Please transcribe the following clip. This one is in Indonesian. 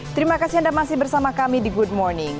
terima kasih anda masih bersama kami di good morning